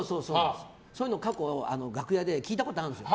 そういうのを過去楽屋で聞いたことがあるんです。